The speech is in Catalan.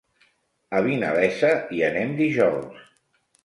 A Vinalesa hi anem dijous.